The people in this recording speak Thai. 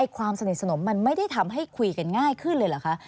ความสนิทสนมมันไม่ได้ทำให้คุยกันง่ายขึ้นเลยเหรอคะ